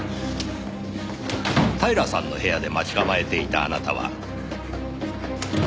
平さんの部屋で待ち構えていたあなたは。